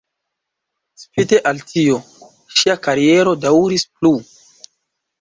Spite al tio, ŝia kariero daŭris plu.